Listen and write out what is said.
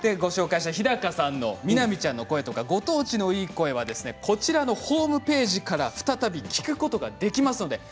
日高さんの南ちゃんの声やご当地のいい声もこちらのホームページから再び聞くことができます。